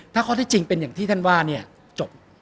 ถ้าข้อที่จริงเป็นอย่างที่ท่านว่าเนี่ยจบ